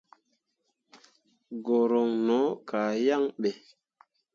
Guruŋ no kah yaŋ ɓe.